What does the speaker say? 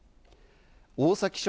大崎署